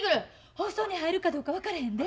放送に入るかどうか分からへんで。